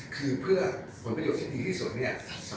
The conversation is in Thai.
คือเพื่อผลประโยชน์ที่ดีที่สุดสำหรับลูกค้า